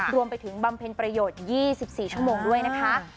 บำเพ็ญประโยชน์๒๔ชั่วโมงด้วยนะคะ